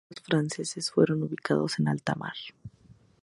Tres cruceros franceses fueron ubicados en alta mar.